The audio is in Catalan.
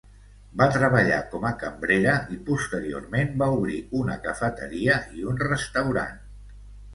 Va treballar com a cambrera i posteriorment va obrir una cafeteria i un restaurant.